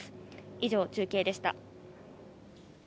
以上、中継でした。